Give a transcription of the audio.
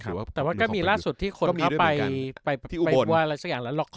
ครับแต่ว่าก็มีล่าสุดที่คนเข้าไปไปไปไปกว่าอะไรสักอย่างแล้วล็อกคอ